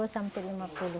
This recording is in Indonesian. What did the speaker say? empat puluh sampai lima puluh